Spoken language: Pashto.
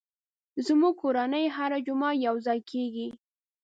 زموږ کورنۍ هره جمعه یو ځای کېږي.